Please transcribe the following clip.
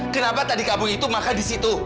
kenapa tadi kabung itu makan di situ